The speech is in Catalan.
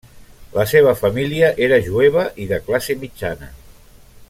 La seva família era jueva i de classe mitjana.